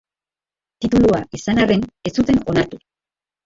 Titulua izan arren, ez zuten onartu.